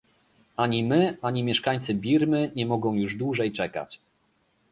Ani my, ani mieszkańcy Birmy nie mogą już dłużej czekać